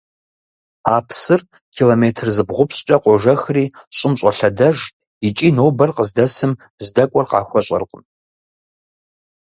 А псыр километр зыбгъупщӀкӀэ къожэхри, щӀым щӀолъэдэж икӏи нобэр къыздэсым здэкӀуэр къахуэщӀэркъым.